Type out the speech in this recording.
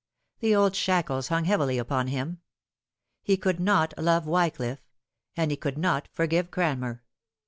The old shackles hung heavily upon him. He could not love Wycliffe ; and he could not forgive Cranmer.